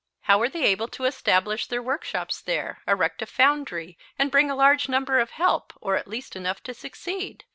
How were they able to establish their workshops there, erect a foundry and bring a large number of help, or at least enough to succeed?